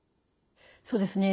そうですね。